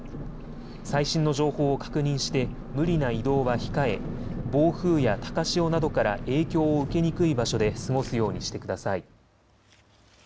最新の情報を確認して無理な移動は控え、暴風や高潮などから影響を受けにくい場所で過ごすようにしてください。